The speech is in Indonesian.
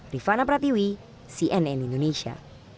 rifana pratiwi cnn indonesia